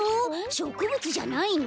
しょくぶつじゃないの？